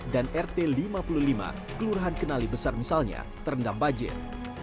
dan rt lima puluh lima terendam bajet